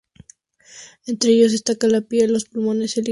Entre ellos destacan la piel, los pulmones y el hígado.